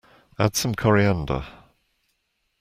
Add some coriander.